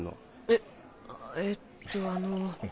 えっえっとあの。